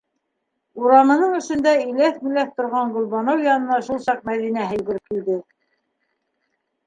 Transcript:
Урамының эсендә иләҫ-миләҫ торған Гөлбаныу янына шул саҡ Мәҙинәһе йүгереп килде.